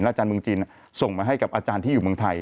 อาจารย์เมืองจีนส่งมาให้กับอาจารย์ที่อยู่เมืองไทย